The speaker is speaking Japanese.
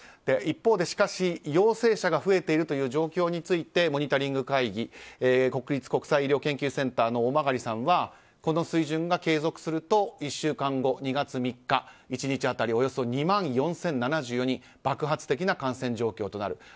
一方で、しかし陽性者が増えているという状況についてモニタリング会議国立国際医療研究センターの大曲さんはこの水準が継続すると１週間後の２月３日１日当たりおよそ２万４０７４人爆発的な感染状況となる。